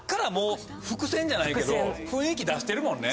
じゃないけど雰囲気出してるもんね。